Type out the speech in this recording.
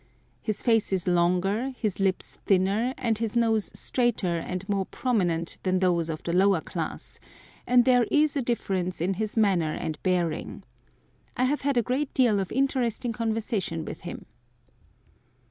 His face is longer, his lips thinner, and his nose straighter and more prominent than those of the lower class, and there is a difference in his manner and bearing. I have had a great deal of interesting conversation with him.